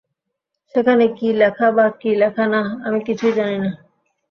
সেখানে কী লেখা বা কী লেখা না, আমি কিছুই জানি না।